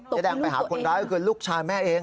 แดงไปหาคนร้ายก็คือลูกชายแม่เอง